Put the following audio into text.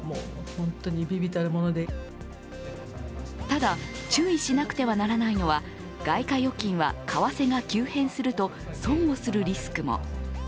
ただ、注意しなくてはならないのは外貨預金は為替が急変すると損をするリスクも。